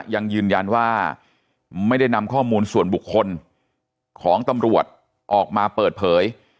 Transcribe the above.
ยังยืนยันว่าไม่ได้นำข้อมูลส่วนบุคคลของตำรวจออกมาเปิดเผย